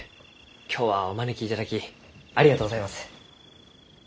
今日はお招きいただきありがとうございます。